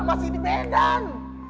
masih di medan